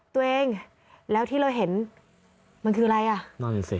ตัวเองแล้วที่เราเห็นมันคืออะไร